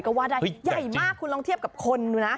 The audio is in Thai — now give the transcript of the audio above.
ก็ว่าได้ใหญ่มากคุณลองเทียบกับคนดูนะ